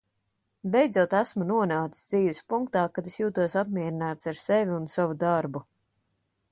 Beidzot esmu nonācis dzīves punktā, kad es jūtos apmierināts ar sevi un savu darbu.